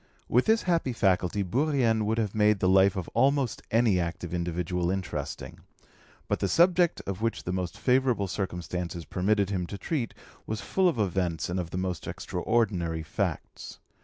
With this happy faculty Bourrienne would have made the life of almost any active individual interesting; but the subject of which the most favourable circumstances permitted him to treat was full of events and of the most extraordinary facts.